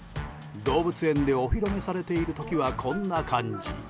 動物園でお披露目されている時はこんな感じ。